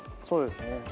そうですね。